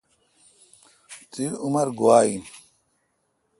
تی عمر گوا این۔